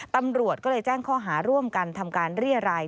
ตำรวจก็เลยแจ้งข้อหาร่วมกันทำการเรียราย